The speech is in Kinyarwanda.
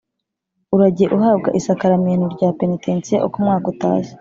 Urajye uhabwa Isakaramentu rya Penetensiya uko umwaka utashye.